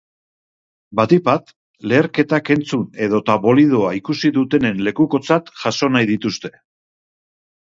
Batik bat, leherketak entzun edota bolidoa ikusi dutenen lekukotzat jaso nahi dituzte.